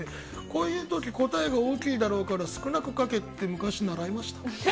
こういう時答えが大きいだろうから少なく書けって昔、習いました。